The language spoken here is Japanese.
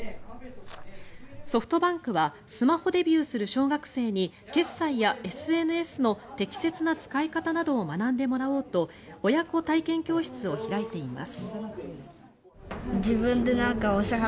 ソフトバンクはスマホデビューする小学生に決済やＳＮＳの適切な使い方などを学んでもらおうと親子体験教室を開いています。